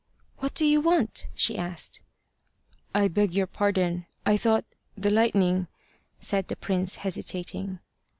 "What do you want?" she asked. "I beg your pardon. I thought the lightning" said the prince, hesitating.